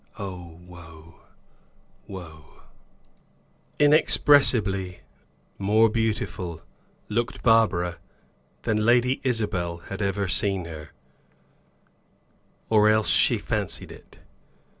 Oh, woe! Woe! Inexpressibly more beautiful, looked Barbara than Lady Isabel had ever seen her or else she fancied it.